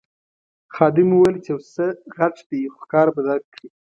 خادم وویل یو څه غټ دی خو کار به درکړي.